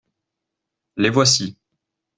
Les voici.